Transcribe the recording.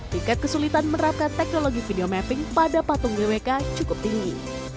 tingkat kesulitan menerapkan teknologi video mapping pada patung gwk cukup tinggi